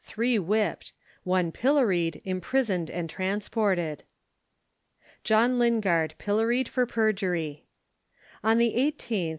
Three whipp'd. One pillory'd, imprison'd, and transported. JOHN LINGARD, PILLORY'D FOR PERJURY. On the 18th.